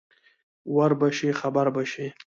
ور به شې خبر به شې.